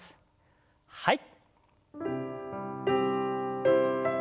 はい。